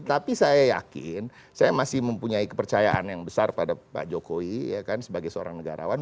tapi saya yakin saya masih mempunyai kepercayaan yang besar pada pak jokowi sebagai seorang negarawan